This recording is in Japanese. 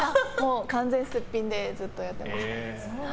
完全にすっぴんでずっとやってました。